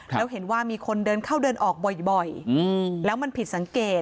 แล้วเห็นว่ามีคนเดินเข้าเดินออกบ่อยแล้วมันผิดสังเกต